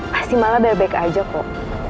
pasti mala baik baik aja kok